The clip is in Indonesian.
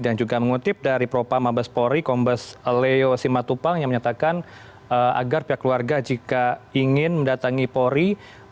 dan juga mengutip dari propa mabespori kombes leo simatupang yang menyatakan agar pihak warga jika ingin mendatangi pori